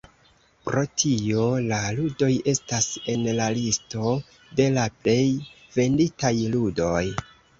Pro tio, la ludoj estas en la listo de la plej venditaj ludoj.